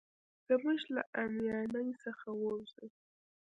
زموږ له اميانۍ څخه ووزي.